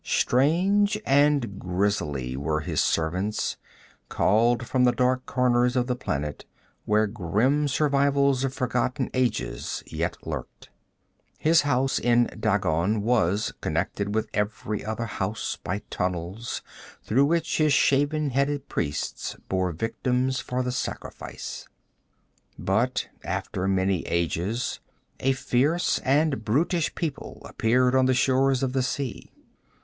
Strange and grisly were his servants, called from the dark corners of the planet where grim survivals of forgotten ages yet lurked. His house in Dagon was connected with every other house by tunnels through which his shaven headed priests bore victims for the sacrifice. But after many ages a fierce and brutish people appeared on the shores of the sea.